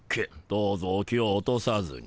どうぞお気を落とさずに。